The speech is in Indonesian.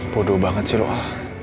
bodoh banget sih lo al